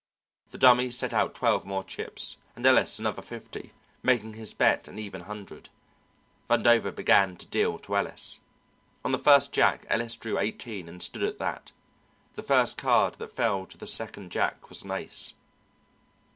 The Dummy set out twelve more chips, and Ellis another fifty, making his bet an even hundred. Vandover began to deal to Ellis. On the first jack Ellis drew eighteen and stood at that; the first card that fell to the second jack was an ace.